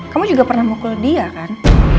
kamu juga pernah mukul dia kan